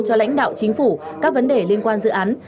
cho lãnh đạo chính phủ các vấn đề liên quan dự án